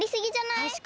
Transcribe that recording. たしかに。